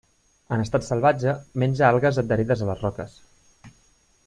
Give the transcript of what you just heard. En estat salvatge, menja algues adherides a les roques.